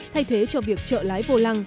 thay thế cho việc trợ lái vô lăng